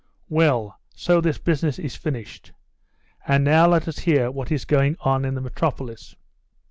Well, so this business is finished. And now let us hear what is going on in the metropolis."